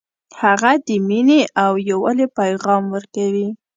هغه د مینې او یووالي پیغام ورکوي